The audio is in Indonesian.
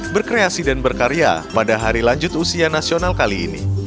berkreasi dan berkarya pada hari lanjut usia nasional kali ini